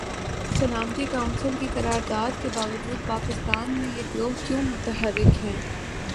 سلامتی کونسل کی قرارداد کے باجود پاکستان میں یہ گروہ کیوں متحرک ہیں؟